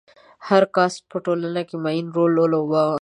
هر کاسټ په ټولنه کې معین رول ولوباوه.